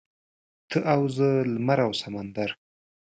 ته او زه لمر او سمندر.